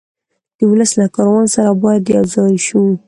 د ولس له کاروان سره باید یو ځای شو.